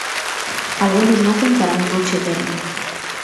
Algunos nacen para una noche eterna.